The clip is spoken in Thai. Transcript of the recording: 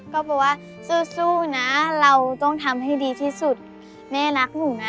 ก็บอกว่าสู้นะเราต้องทำให้ดีที่สุดแม่รักหนูนะ